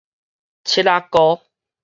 拭仔膏